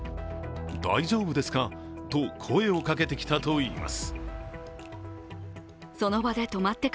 大丈夫ですか？と声をかけてきたといいます。